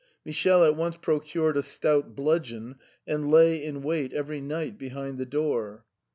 Michele at once procured a stout bludgeon, and lay in wait every night behind the door.